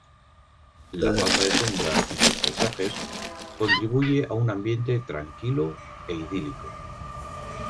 La falta de sombra en sus paisajes contribuye a un ambiente tranquilo e idílico.